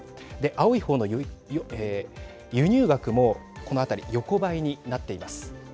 青いほうの輸入額も、このあたり横ばいになっています。